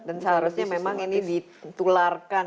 dan seharusnya memang ini ditularkan